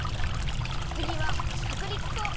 つぎははくりき粉。